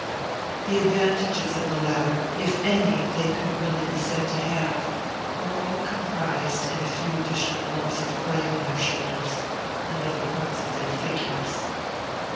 The advantages of the latter, if any they could really be said to have, were all comprised in a few additional lumps of clay on their shoulders and other parts of their figures.